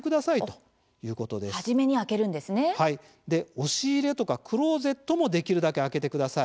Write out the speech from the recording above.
押し入れとかクローゼットもできるだけ開けてください。